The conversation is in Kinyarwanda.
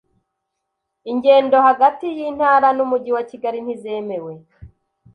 ingendo hagati y'intara n'umujyi wa Kigali ntizemewe